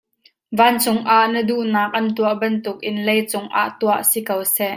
Vancung ah na duhnak an tuah bantukin leicung ah tuah si ko seh.